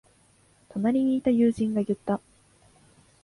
隣にいた友人が言った。